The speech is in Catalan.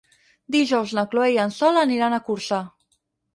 Dijous na Chloé i en Sol aniran a Corçà.